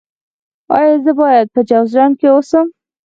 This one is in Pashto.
ایا زه باید په جوزجان کې اوسم؟